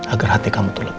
agar hati kamu tuh lega